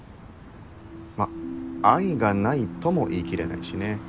まあ愛がないとも言い切れないしね。